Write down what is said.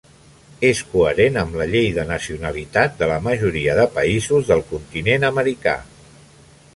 És coherent amb la llei de nacionalitat de la majoria de països del continent americà.